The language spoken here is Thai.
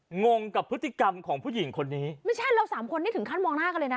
งงกับพฤติกรรมของผู้หญิงคนนี้ไม่ใช่เราสามคนนี่ถึงขั้นมองหน้ากันเลยนะ